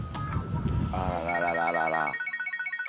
あらららららら。